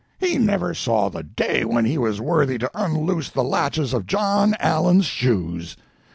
He never saw the day when he was worthy to unloose the latches of John Allen's shoes.